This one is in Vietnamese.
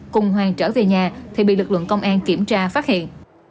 cùng hoàng trở về nhà thì bị lực lượng công an kiểm tra phát hiện